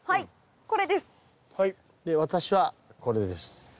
で私はこれです。